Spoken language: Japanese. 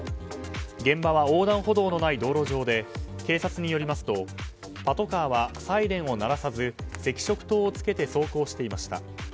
現場は横断歩道のない道路上で警察によりますとパトカーはサイレンを鳴らさず赤色灯をつけて走行していました。